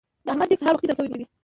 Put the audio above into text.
د احمد دېګ سهار وخته دم شوی دی.